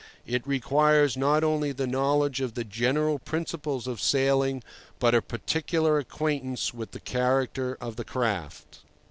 It requires not only the knowledge of the general principles of sailing, but a particular acquaintance with the character of the craft.